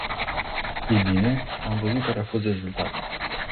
Ei bine, am văzut care a fost rezultatul.